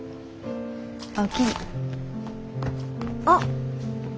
あっ！